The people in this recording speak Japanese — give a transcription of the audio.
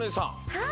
はい。